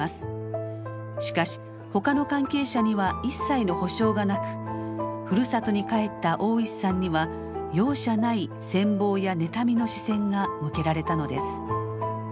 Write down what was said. しかしほかの関係者には一切の補償がなくふるさとに帰った大石さんには容赦ない羨望や妬みの視線が向けられたのです。